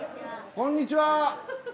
こんにちは。